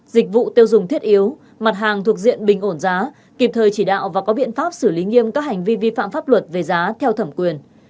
dịch vụ tiêu dùng thiết yếu mặt hàng thuộc diện bình ổn giá kịp thời chỉ đạo và có biện pháp xử lý nghiêm các hành vi vi phạm pháp luật về giá theo thẩm quyền